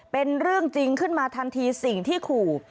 เป็นเรื่องจริงขึ้นมาทันทีสิ่งที่ขู่